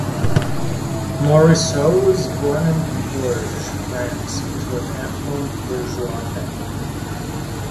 Morisot was born in Bourges, France, into an affluent bourgeois family.